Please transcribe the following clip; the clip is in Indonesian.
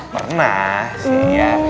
pernah sih ya